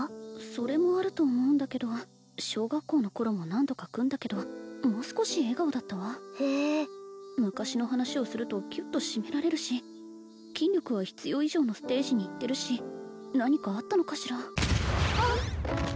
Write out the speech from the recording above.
それもあると思うんだけど小学校の頃も何度か組んだけどもう少し笑顔だったわへえ昔の話をするとキュッと締められるし筋力は必要以上のステージにいってるし何かあったのかしらあっ！